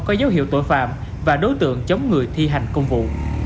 có dấu hiệu tội phạm và đối tượng chống người thi hành công vụ